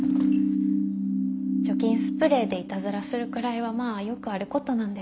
除菌スプレーでイタズラするくらいはまあよくあることなんです。